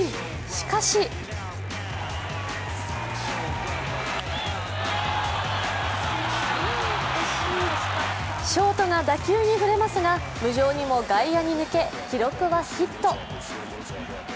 しかしショートが打球に触れますが無情にも外野に抜け記録はヒット。